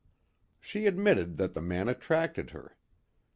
She admitted that the man attracted her.